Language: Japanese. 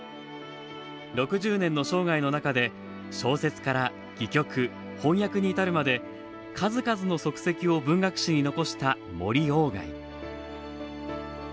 ６０年の生涯の中で、小説から戯曲、翻訳に至るまで、数々の足跡を文学史に残した森鴎外。